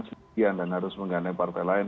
sekian dan harus menggandeng partai lain